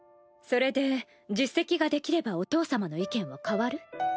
それで実績が出来ればお父様の意見は変わる？